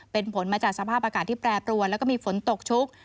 เป็นผลมาจากสภาพอากาศที่แปรปรวนแล้วก็มีฝนตกชุก